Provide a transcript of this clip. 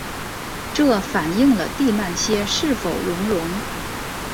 这反映了地幔楔是否熔融。